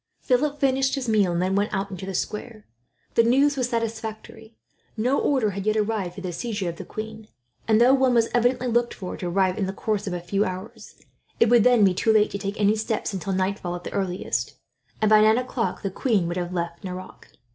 Philip finished his meal, and then went out into the square. The news was satisfactory. No order had yet arrived for the seizure of the queen; and though one was evidently looked for, to arrive in the course of a few hours, it would then be too late to take any steps until nightfall, at the earliest; and by nine o'clock the queen would have left Nerac.